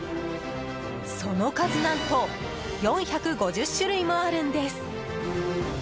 その数何と４５０種類もあるんです。